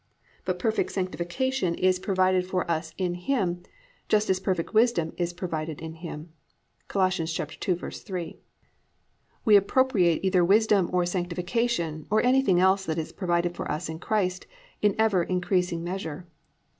But perfect sanctification is provided for us in Him, just as perfect wisdom is provided in Him (Col. 2:3). We appropriate either wisdom or sanctification or anything else that is provided for us in Christ in ever increasing measure.